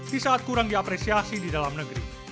di saat kurang diapresiasi di dalam negeri